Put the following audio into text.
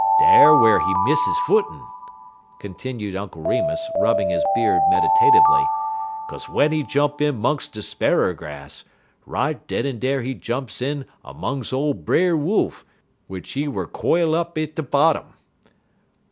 Dar whar he miss he footin'," continued Uncle Remus, rubbing his beard meditatively, "'kaze w'en he jump in 'mungs de sparrer grass, right den en dar he jump in 'mungs ole Brer Wolf, w'ich he wer' quile up at de bottom."